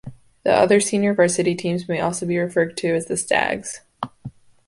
The other senior varsity teams may also be referred to as the Stags.